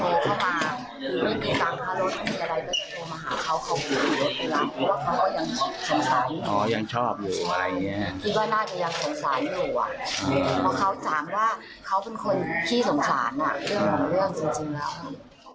นี่ก็น่าจะยังสงสารดีกว่าเพราะเขาถามว่าเขาเป็นคนที่สงสารเรื่องบางเรื่องจริงแล้ว